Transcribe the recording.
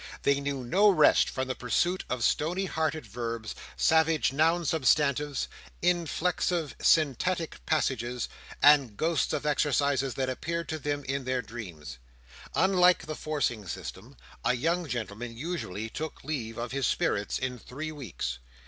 They knew no rest from the pursuit of stony hearted verbs, savage noun substantives, inflexible syntactic passages, and ghosts of exercises that appeared to them in their dreams. Under the forcing system, a young gentleman usually took leave of his spirits in three weeks.